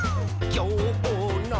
「きょうの」